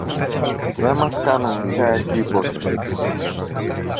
δε μας κάνουν πια εντύπωση.